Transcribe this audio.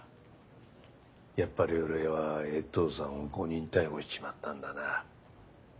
やっぱり俺は衛藤さんを誤認逮捕しちまったんだな。